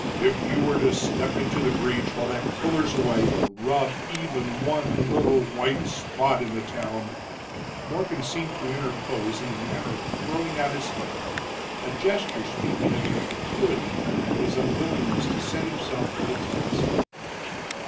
"If you were to step into the breach while that killer's away and rub even one little white spot in the town " Morgan seemed to interpose in the manner of throwing out his hand, a gesture speaking of the fatuity and his unwillingness to set himself to the task.